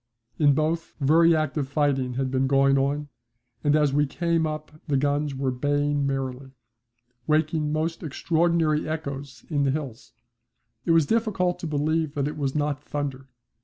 In both very active fighting had been going on, and as we came up the guns were baying merrily, waking up most extraordinary echoes in the hills. It was difficult to believe that it was not thunder.